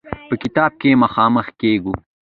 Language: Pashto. په کتاب کې مخامخ کېږو.